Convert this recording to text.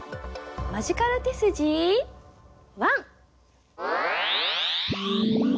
「マジカル手筋１」！